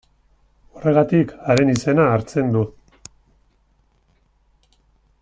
Horregatik haren izena hartzen du.